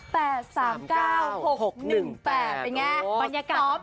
เป็นไงบรรยากาศ